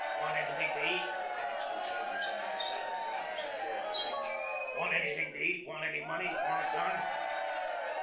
"Want anything to eat?" Annixter's head was under the saddle flap as he tore at the cinch. "Want anything to eat? Want any money? Want a gun?"